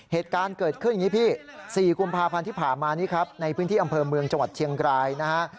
เหตุการณ์เกิดขึ้นอย่างนี้พี่๔กุมภาพันธ์ที่ผ่านมานี้ครับในพื้นที่อำเภอเมืองจังหวัดเชียงรายนะฮะ